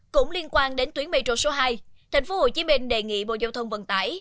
cũng liên quan đến tuyến metro số hai tp hcm đề nghị bộ giao thông vận tải